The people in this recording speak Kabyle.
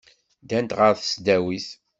Ddant ɣer tesdawit.